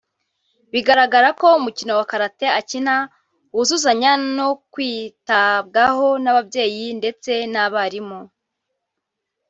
Bigaragara ko Umukino wa Karate akina wuzuzanya no kwitabwaho n’ababyeyi ndetse n’abarimu